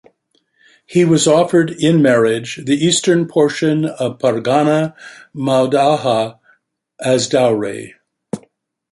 He was offered, in marriage, the eastern portion of pargana Maudaha as dowry.